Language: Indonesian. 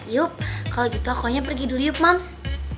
yuk kalau gitu akunya pergi dulu yuk moms